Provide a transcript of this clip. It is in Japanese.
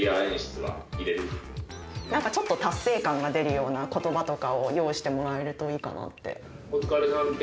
なんかちょっと達成感が出るような言葉とかを用意してもらえるといいかなって。